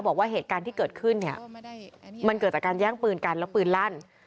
บอกว่าเหตุการณ์ที่เกิดขึ้นเนี่ยมันเกิดจากการแย่งปืนกันแล้วปืนลั่น